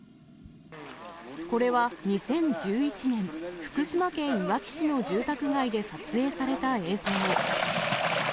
これは２０１１年、福島県いわき市の住宅街で撮影された映像。